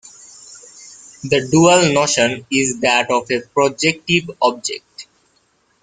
The dual notion is that of a projective object.